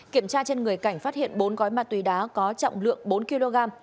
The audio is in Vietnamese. kiểm tra trên người cảnh phát hiện bốn gói ma túy đá có trọng lượng bốn kg